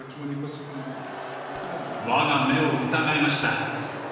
我が目を疑いました。